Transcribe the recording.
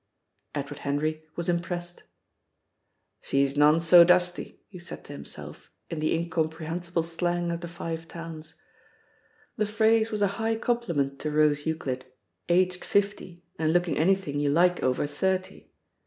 Edward Henry was impressed. "She's none so dusty!" he said to himself in the incomprehensible slang of the Five Towns. The phrase was a high compliment to Rose Euclid, aged fifty and looking anything you like over thirty.